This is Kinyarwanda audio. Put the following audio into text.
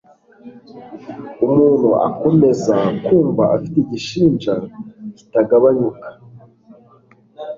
umuntu akomeza kumva afite igishinja kitagabanyuka